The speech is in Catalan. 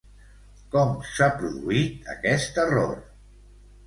Com s'ha produït aquest error?